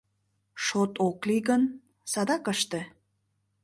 — Шот ок лий гын, — садак ыште!